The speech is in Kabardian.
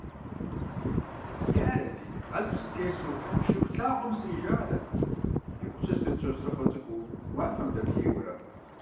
«Ярэби, алъп сытесу Шыхулъагъуэм срижарэт», егупсысырт Сосрыкъуэ цӏыкӏу уафэм дэплъейуэрэ.